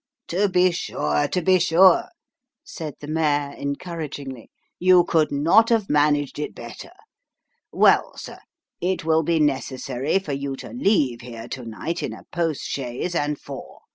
To be sure, to be sure," said the mayor, encouragingly, " you could not have managed it better. Well, sir ; it will be necessary for you to leave hero to night in a post chaise and four.